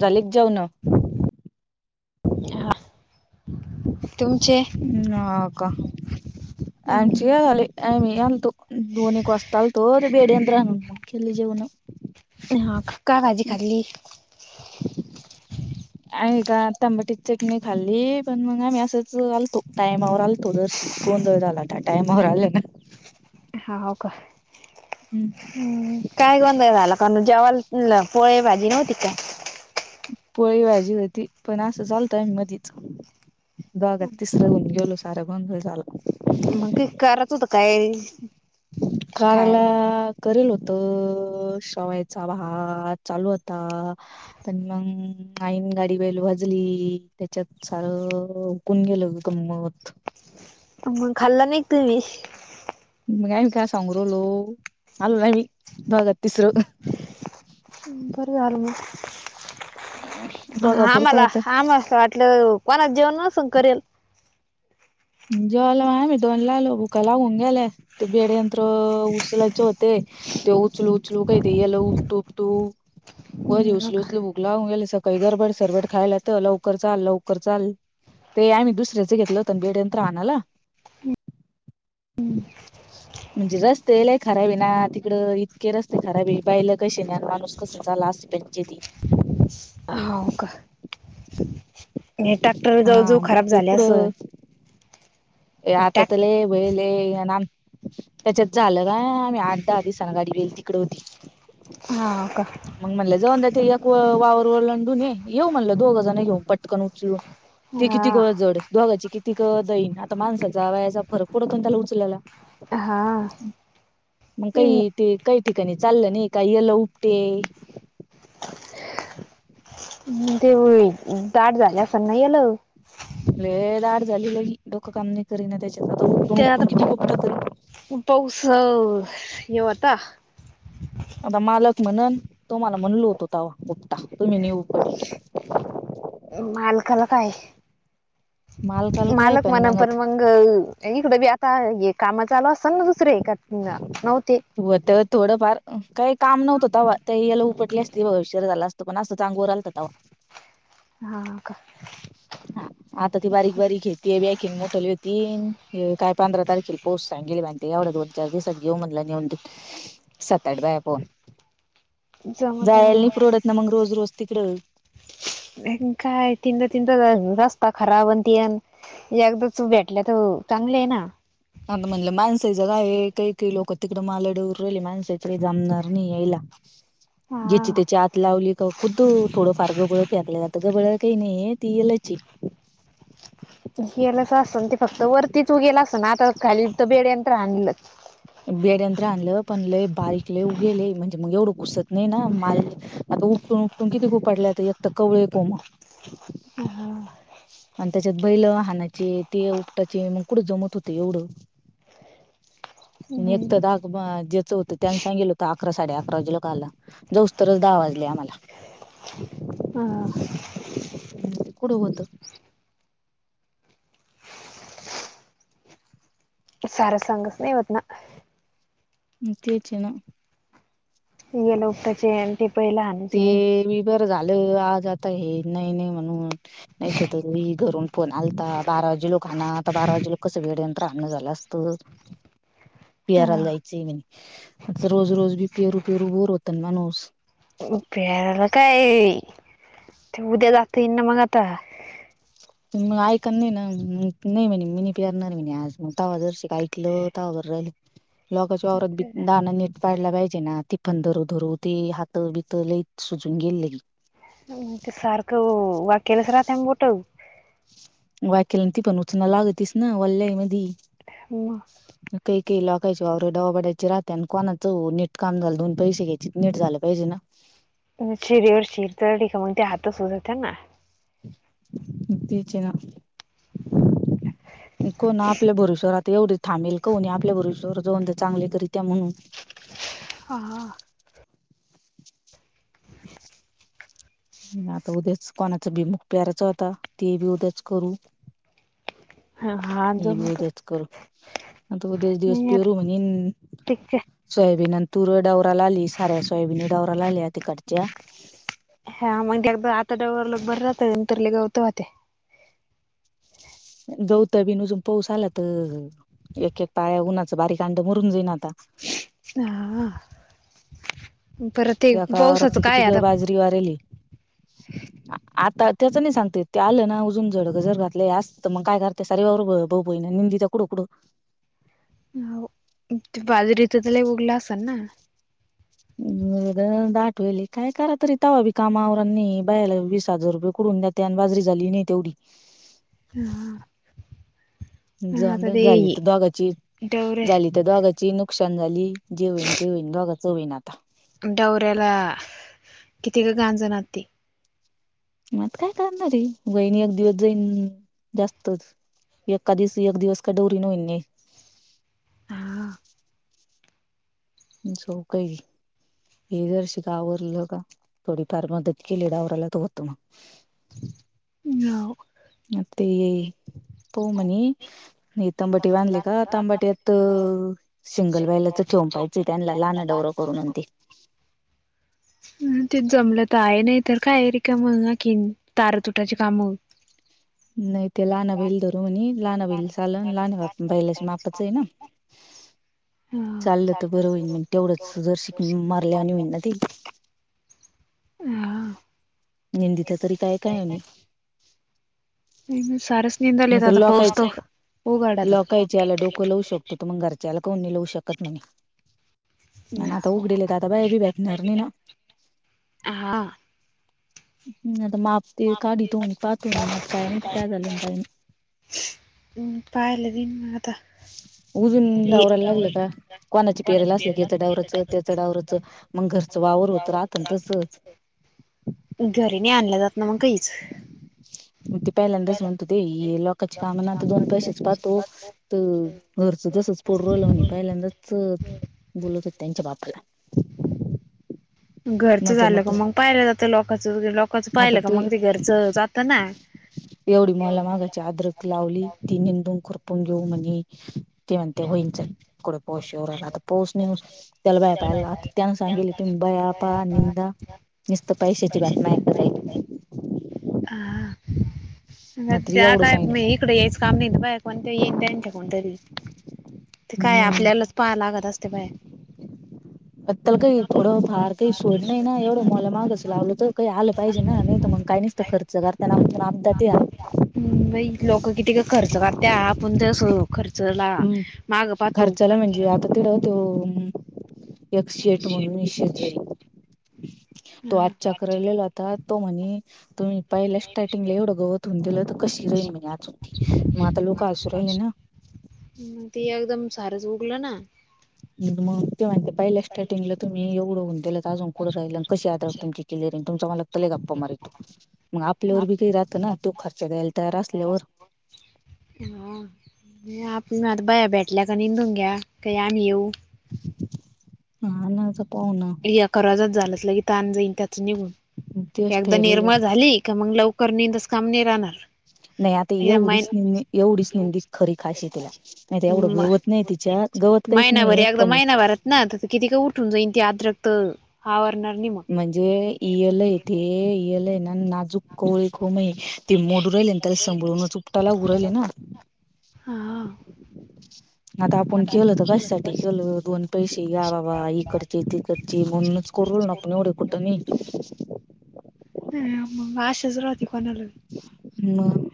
झालेक जेव न? ह [inaudible] [inaudible] ना का, आमची आले, आम्ही आलतो. दोन-एक वाजता आलतो, ते बेड आणून मग केले जेवणं. हा क काय भाजी खाल्ली? [inaudible] आम्ही का तंबाट्याची चटणी खाल्ली, पण मग आम्ही असंच आलतो, टाइमावर आलतो दरशी. गोंधळ झाला त्या टाइमवर आलं ना. हा हो का? हम्म. हम् काय गोंधळ झाला? कांना जेवायला पोळी भाजी नव्हती का? पोळी भाजी होती, पण असंच आल्तो मधीच. दोगात तिसरा होऊन गेलो, सारा गोंधळ झाला. मग का करत होत काय काराला खायला करेल होत, शेवायचा भात चालू होता. पण मग आईन गाडी बेल वाजली, त्याच्यात सार कूण गेलं, गंमत. मग खाल्ला नई कां तुम्ही? मगं आमी काय सांगु रालो, आलो ना आम्ही दोघात तिसरं. बर झाल मग, बघा पुरत आम्हाला आता आम अस वाट ल कोना जेवन नस करेल. जेवाला आम्ही दोनला आलो, भुका लागुन गेल्या ते बेड यंत्र उचलायचे होते. ते उचलू-उचलू, काय ते याला उपटू-उपटू, वजे हो उचलू - का उचलू भूक लागुन गेली, सकाळी गरबड सरबट खायला तर लवकर चाल, लवकर चाल. ते आम्ही दुसऱ्याच घेतलं होतं न बेड यंत्र आणाला हम्म. म्हणजे रस्तेई लय खराबे ना तिकडं इतके रस्ते खराबे बैलं कशी न्यान माणूस कसं चाला अस त्यांची ती. हो का. हे ट्रॅक्टर हा जवळजवळ मग खराब ते झाले असन. हे आता टॅक तर लय बैलये आन आम त्याच्यात झालं का आम्ही आठ दहा दिसांना गाडी बैल तिकड होती. हा का. मग म्हणलं जाऊंदे ते एक वावर ओलांडून ये येऊ म्हणलं दोघं जण घेऊ पटकन उचलून. ते किती हा क जड दोघाची कितीक जाईन आत माणसाचा वयाचा फरक पडतो ना त्याला उचलायला हा मंग काई ते काही ठिकाणी चाललं नाही काई येल उपटे तेवळी दाट झाल्या असनना येल. लई दाट झाली लई, डोकं काम नाय करी ना त्याच्यात आता ते उपटून-उपटून आता किती उपटल तरी. पाऊस अ ये वता. आता मालक म्हणन तुम्हाला म्हणलो होतो तवा उपटा तुम्ही नाई उपटले [inaudible] मालकाला काय मालकाला काय मालक पण म्हनन मग परत मंग गळु इकडं बी आता हे कामं चालू असताना दुसरी का न-नव्हते. व्हतं थोडंफार काय काम नव्हत तवा ते येल उपटली असती [unintelligible] झाला अस तो पण असंच आंग वर आलत तवा. हा का. हा आता ती बारीक बारीक हेत ती बी आयखीन मोठाली तीन य काय पंधरा तारखेल पोच सांगेलीण बाईन ते एवढ्या दोन चार दिवसात घेऊ म्हणलं नेऊन ति सात आठ बाया पाहून जमत जायला ना नाही परवडत ना मग रोज रोज तिकडं. हेन काय तीनदा तीनदा रस्ता खराब अन ते अन एकदाचं भेटल्या तर चांगले आहे ना. आ म्हणलं माणसाईच का आहे काही काही लोक तिकडं मालड उर राहिली माणसाकडे जमणार नाही यायला. हा ज्याची त्याची आत लावली का. खुद्द थोडं फार गबळ फेकल्या जात गबळ काही नाही ती येलच ये. गलच असत ते फक्त वरतीच उगेल असतन आता खाली तर बेड्यान तर आणलं. बेड्यांतर हाणलं पण लय बारीक लय उगेल ये म्हणजे मग एवढं घुसत नाही ना माल आता उपटून उपटून किती खूपटल्यात एकत कवळे कोम ह हा. आणि त्याच्यात बैल हानाचे ते उपटाचे मग कुढं जमत होते एवढं. आणि एक नाही तर दागबा जेच होत त्यान सांगितलं होत अकरा साडे अकरा वाजेला का आला जाऊस तरच दहा वाजले आम्हाला. हा. कुडं होत. सार सांगत नाही होत ना. म तेचे ना. येल उपटायचे आणि ते पई लहान. ते बी बरं झालं आज आता हे नई नई म्हणून नाही तर लय घरून फोन आलता बारा वाजे लोकांना आण आता बारा वाजेला कसं वेळेन यंत्र आणण झालं असतं. [inaudible] हा पेराला जायचंय म्हणे आता रोज रोज बी पेरू पेरू बोर होतं ना माणूस. [unintelligible] काय ते उद्या जाता ईन ना मग आता. म ऐक नाही ना नाही म्हणे मी नई पिरणारे म्हणे आज मग तावा जरशी का ऐकलं ता बर राहिली. लोकांच्या वावरात बी दाण नीट पाडला पाहिजे ना ति पण धरू धरू ते हात बित लईत सुजून गेले. ते सारखं वा केलंच राहत म बोठ वाकल ती पण उचना लागतीस ना वल्याई मधी हवा [unintelligible] काही काही लकायची वावर डवा बडाची राहते, आणि कोणा च नीटकाम झाल दोन पैसे घ्यायचे ति नीट झालं पाहिजे ना. शिरीवर शिर च ठ मग ते हातच सुोजत ना तेच ना. कोण आपल्या भरविश्वर आता एवढे थांबेल, कोणी आपल्या भरश्वर जाऊन तर चांगले करी त्या्या म्हणून हां हा. [unintelligible] आता उद्याच कोणाचा भिमुख प्यारायचा होता ते बी उद्याच करू. ह हा हे बी जमत बेच करू आता बेच दिवस नाही आता पेहरू म्हण. ठीक आहे सोयाबीनंतुर डारा ला आली साऱ्या सोयाबीनी डावरा ला आल्या तिकडच्या. हा म्हगजे अग आता डोर लग बर राहत नंतर ल गावतहते गौत बीनुजून पाऊस आला तर एक एक पाळ्या उन्हाचं बारीक अंडं मरून जाईन आता. हा पर ते एका वावरात पाऊसच तर किती काय ग आता बाजरी वारेली [unintelligible] [inaudible] आता त्याच नाही सांगते, ते आलं ना अजून जड जर घातलेय असत, मग काय करते सारी बा भाऊ ब ना निंदी कडकड. अध रत झाला उगला अस ना दाठवेल काय करा तरी तवा भी कामावरांनी बायाला वीस हजार रुपये कडून द्या त्यान बाजरी झाली नाही तेवढी हम [unintelligible] ज ते झाली तर दोघाची डवरे झाली ्या दोघांची नुकसान झाली जे होईन ते होईन दोघा चं होईन आता डवऱ्याला किती का गांजणती मात काय करणार रे वहिणी एक दिवस जाईन जास्तच एकाधीस एक दिवस काडोरी न इे हा [unintelligible] हे जर्शी गावरलं का थोडीफार मदत केली, डावर आला तर होतो मग हो. [unintelligible] म पमणी तांबाटी बांधली का तांबाट्यात सिंगल वयलाच चोंपाय लहान डौरों करूनती ते जमलं तर आहे नाही तर का र का मगखीन तार तुटाचे काम हो नाही ते लानाबाईल धरू लाहना बईल चाल लाहान बा बाहिलाच्या मापाच आहे ना हा चाललं तर बरं होईल मग तेवढंच, जर शिक मारल्या आणि होईल ना ते हह [unintelligible] निंदिित तरी काय काय आम्ही नाही सरसनंदल मग येतात पौस लोकायच तो होगाडत कलवू शको मग घरच्याला कोणी लवू शकत नाही ना तर उघडीलेताता भी बेठणारर नाही ना हा हम् आता माप ते काढत होणी पाहतो मग काय माहिती काय झाल काय नाही. पाहिले दिन मता. ऊदिनंदवरलागल का. कोणाची पेहरायला असल की याच डावराचं त्याचं डाववरचं मग घरचं वावर होतं राहत तचच. घरी नाही आणलं जात ना मग काहीच. मग ते पहिल्यांदाच म्हणतो ते लोकच्या कामना आता दोन पैसेच पाहतो. तर घरचं तसच पोड रलं म्हणी पहिल्यांदाच बोलत होते त्यांच्या बापाला घरचं माझं झालं का मत मग पाहिलं जातं लोकचं लोकचं पाहिलं का मग ते घरचं जात ना. एवढी मौला मागच अ्र लावली ती निंदून खुरपून घेऊ म्हण ते म्हणते होईच. पो शवरायलाता पोस त्याला बाया पाहिला त्यान सांगितले तुम्ही बाया. निंद नस्त पाई शेची बातम्या राहिली हह मात्र एवढं मका सांगितलं म तकडे यायचं काम नाही बा कोण ते येईनच्या कोणतरी ते काय हम्म आपल्याला पाहा लागत असते बाय. अताल काही थोडं फार काही सोड नाही ना एवढं मलं मागच लावलं तर काही आलं पाहिजे ना नाही तर मग काही नाही. खर्च करताना आप आपदात ई लोक किती का खर्च करते आपण तेस खर्चला माग पा तो ख तक्सट म्हणून निश झारी. तो मग आजच्याक्रलेला होता तो म्हणे तुम्ही पहिला स्टार्टिंगला एवढं गवतथून दिलं तर कशी राहील म्हणे आजुती मग आता लोक असू राहिले ना ते एकदम सारंच उगल ना मग ते माणती पहिल्या स्टार्टिंगला तुम्ही एवढं होऊनला आजूनकडं राहिल कशी आदरा तुम क्लअर तुमच्यालागय गप्पा मार तू मग आपल्यावर बी काही राहतं ना तो खर्च द्यायला तयार असल्यावर हा आपण आता ब बेटल्या का निंदून घ्या का आ्ही येऊ. हा ना असं पाव ना. ि कवाजात झाल अस ल की ताण जाईन त्याचं निघून. तेच एकदा ठरले निर्मळ झाली का मग लवकर नेंदच कामने राहणार. नाही आता महिन एवढीच एवढीच निेंदी एवढीच खरी खाशी आहे तिला नाही एवढं काळजी म गवत नाही तिच्या महिनाभर एकदा महिनाभरात ना तर किती काय उठून जाईन ती आद्रक्त हवरणार नाही मग म्हणजे इयल आहे ते इयल ये ना नाजूक कोळी ख मही ते मोड राहिले त्याला सांभळून उपटा लागू राहिले ना. हा आता आपण केल तर कशासाठी केलं दोन पैसे या बाबा इकडचे तीकडची म्हणच. कोरळ नपणेवढ कुटणीनी हग आश सु रावती कोणाल. म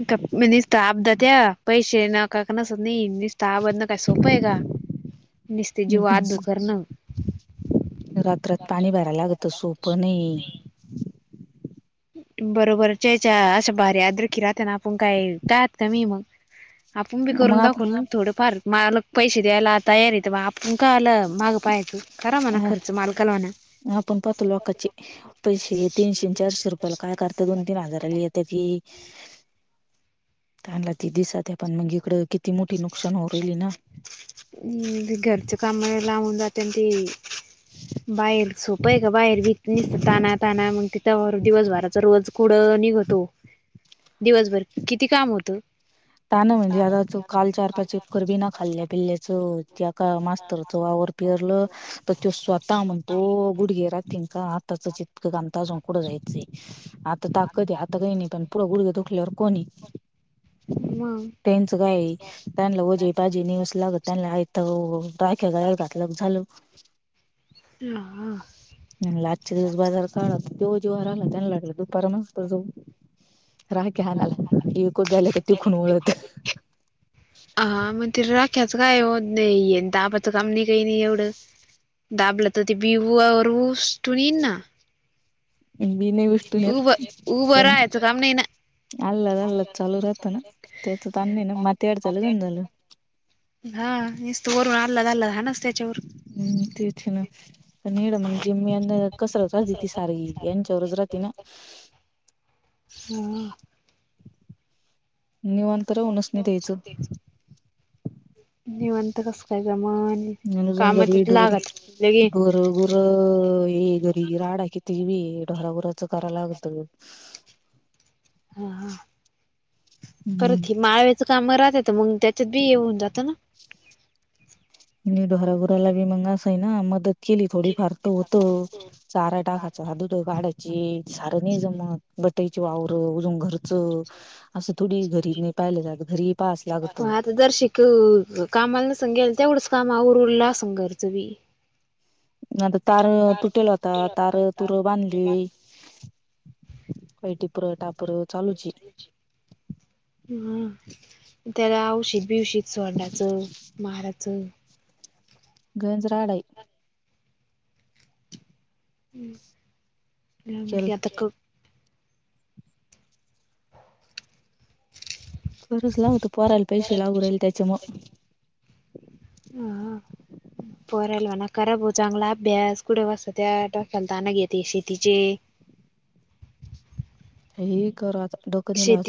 म स््टाप द त्या्या पैसेे ना काक ना स्टाप का सोपं आहे का निसते जीवत दुकरणं. रात्रात पाणी भरायला लागत सोपं नाही. बरोबर चेचा असं भारी अद्रखि राहतना आपण काय काहात का मी मग आपण बी मग करून आप- दाखवू ना थोडें फार मलाग पैसे द्यायला तयारीेत. इकाला महाग गपयाच. अ आपण पाहतो लोकाची पैशे तीनशे चारशे रुपय. काय करत दोन तीन हजाराली येतं की चला ती दिसत पण मग इकड किती मोठी नुकसान हो राहिली ना. हम् घरचं काम ला म्ह द अत ते बाहेर सोपं आहे का बाहेर व नसत ताना ताणा मग तिथं दिवसभराचा रोज कुढं निघतो दिवसभर किती काम होत. ता ना म्हणजे आता काल चार पाच एकर बिना खाल्ले पिल्ले त्या का मास्तरचा वावर पिरलं तर तो स्वतः म्हणतो गुडघे राथीन का? चित्क कामताजंकडं जायचंय. ताकद आता काही नाही पण पुढ गुडग्या दुखल्यावर कोण हे. मग त्यांच काय त्यांना वजे पाजे नऊस लागत त्यांना आयथ राख्या गळ्यात घातलं का झालं. ह ह. म्ह आजच्या दिवस बाजार काढ जेव्हा जेव्हा राहिला त्यांना लागलं दुपार मस्त जाऊ. राकीे हानला ये कुद्दले कोतीव खुण उओळत. हा मग ति राख्याचं काय होत नाही दाबाचं काम नाही काही नाही एवढं. दाबलं तर ते बिवू रवू उच्टुन येईन ना. बी नाही उच्टून येत उभं उभं पण राहायचं काम नाही ना अलाद आलाद चालू राहतं ना त्याच तान नाही ना माती आड झाल गंज झाल. हा निसत वरून आलाद अलाद हानच त्याच्यावर हम्म तेचे ना पण हेड मग मेन कसरत राथी ती सारी यांच्यावरच राथीना ह. निवांत रहूनच नाही द्यायचं. निवांत कस काय जमन कामात लागत लईच. ढोरगुरु हे घरी राडा कितीक बी ढोरागुराच करा लागत. हा हम्म करती माळ. काम राहतेत मग त्याच्यात बी येऊन जातं ना. मी ढोरागुराला बी मग असय ना मदत केली थोडी फार तर होत. चारा टाकायचा दुध काढायची सारं नाही जमत बटाईची वावरं उजून घरचं. असं थोडी घरी नाही पाहिलं जात घरी पाहास लागत. मग आता दर्शिक कामाला नसग्याल तेवढंच कामावरर उरलं असं घरचं बी आता तार तुटेल होता तार तुर बांधली. व टिपर टापर लूची हम त्याला औषित बिवशीित सोंडाचं. माराचं. गंज रा आड. केल [unintelligible] कराच लागत पोरायला पैसे लागू राहिले त्याच्यामुळ. हा [unintelligible] पोरायला म्हणा करा भो चांगला अभ्यास कुठे बसत्या डोक्याला तान घेत हे शेतीचे ह करा आता डोक नही लावाच. शेती